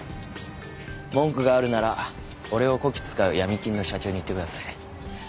文句があるなら俺をこき使う闇金の社長に言ってください。